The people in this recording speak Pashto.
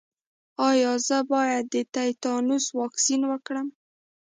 ایا زه باید د تیتانوس واکسین وکړم؟